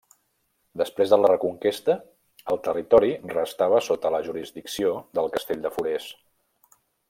Després de la Reconquesta, el territori restava sota la jurisdicció del castell de Forès.